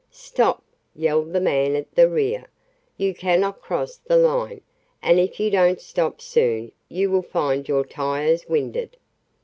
"Stop!" yelled the man at the rear. "You cannot cross the line, and if you don't stop soon you will find your tires winded."